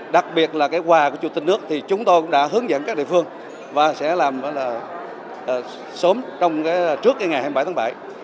đặc biệt là cái quà của chủ tịch nước thì chúng tôi cũng đã hướng dẫn các địa phương và sẽ làm sớm trước ngày hai mươi bảy tháng bảy